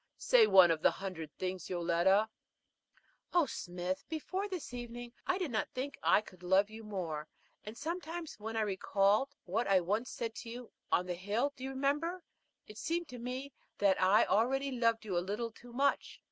"Say one of the hundred things, Yoletta." "Oh, Smith, before this evening I did not think that I could love you more; and sometimes, when I recalled what I once said to you on the hill, do you remember? it seemed to me that I already loved you a little too much.